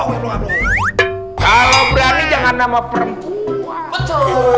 kalau berani jangan nama perempuan betul